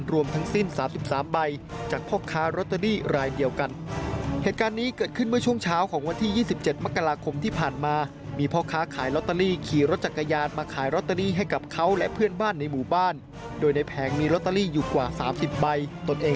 รวมทั้งสิ้น๓๓ใบจากพ่อค้ารอตเตอรี่รายเดียวกัน